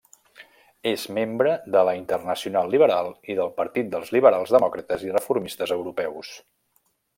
És membre de la Internacional Liberal i del Partit dels Liberals Demòcrates i Reformistes Europeus.